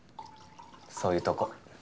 そういうとこ。